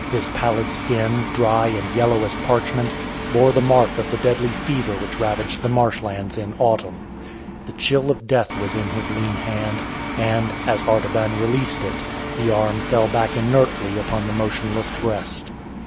His pallid skin, dry and yellow as parchment, bore the mark of the deadly fever which ravaged the marsh lands in autumn. The chill of death was in his lean hand, and, as Artaban released it, the arm fell back inertly upon the motionless breast.